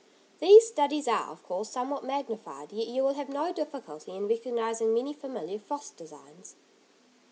These studies are, of course, somewhat magnified, yet you will have no difficulty in recognising many familiar frost designs.